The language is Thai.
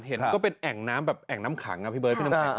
เห็นก็เป็นแอ่งน้ำแบบแอ่งน้ำขังนะพี่เบิ้ล